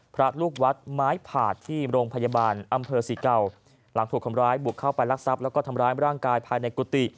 พระลูกวัดไม้ผาดที่โรงพยาบาลอำเภอ๔๙